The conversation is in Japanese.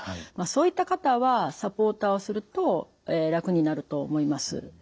そういった方はサポーターをすると楽になると思います。